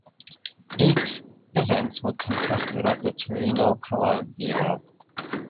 Eight events were contested at the Torino Palavela.